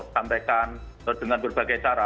sampaikan dengan berbagai cara